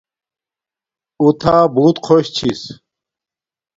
اّو تھا بوت خوش چھس